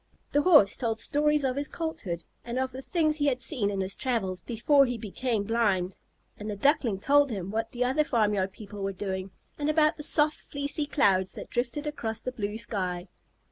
The Horse told stories of his Colthood, and of the things he had seen in his travels before he became blind. And the Duckling told him what the other farmyard people were doing, and about the soft, fleecy clouds that drifted across the blue sky.